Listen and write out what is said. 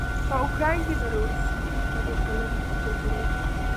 په اوکراین کې د روسیې څلورکلنې جګړې